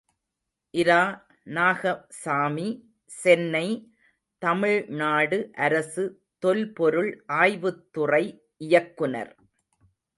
இரா, நாகசாமி, சென்னை, தமிழ்நாடு அரசு தொல் பொருள் ஆய்வுத்துறை இயக்குநர்.